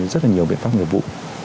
rất là nhiều biện pháp nghiệp vụ